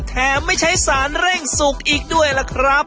ไม่ใช้สารเร่งสุกอีกด้วยล่ะครับ